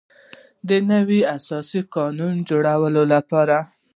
د نوي اساسي قانون د جوړولو لپاره.